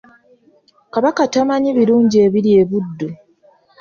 Kabaka tamanyi birungi ebiri e Buddu.